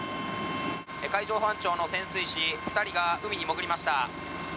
海上保安庁の潜水士２人が海に潜りました。